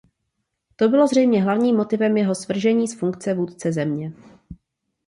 To bylo zřejmě hlavním motivem jeho svržení z funkce vůdce země.